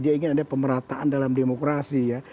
dia ingin ada pemerataan dalam demokrasi ya